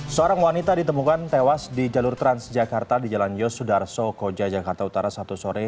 seorang wanita ditemukan tewas di jalur transjakarta di jalan yosudarso koja jakarta utara satu sore